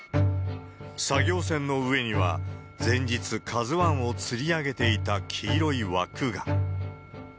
作業船の上には、前日、ＫＡＺＵＩをつり上げていた黄色い枠が。